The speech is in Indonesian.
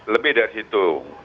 lebih dari situ